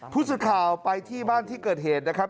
ผู้สื่อข่าวไปที่บ้านที่เกิดเหตุนะครับ